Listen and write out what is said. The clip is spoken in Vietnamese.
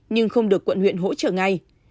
nhưng không được quận huyện hỗ trợ ngay